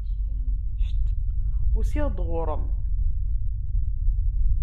Usiɣ-d ɣur-m.